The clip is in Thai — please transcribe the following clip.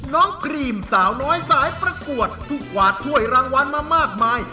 กรีมสาวน้อยสายประกวดผู้กวาดถ้วยรางวัลมามากมาย